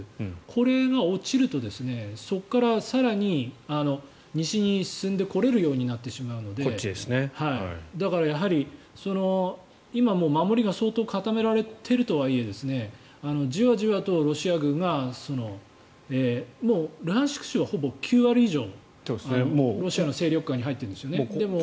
これが落ちるとそこから更に西に進んでこれるようになってしまうのでだからやはり、今、守りが相当固められているとはいえじわじわとロシア軍がもうルハンシク州は半分以上ロシアの勢力下に入っているんですよね。